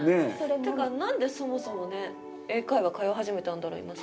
ってか何でそもそも英会話通い始めたんだろう今更。